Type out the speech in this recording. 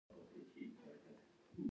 د کاهن پرېکړې عملي کولې.